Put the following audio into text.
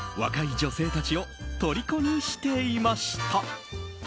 若い女性たちを虜にしていました。